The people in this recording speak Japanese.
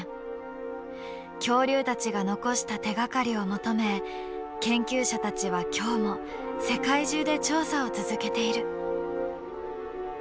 恐竜たちが残した手がかりを求め研究者たちは今日も世界中で調査を続けている。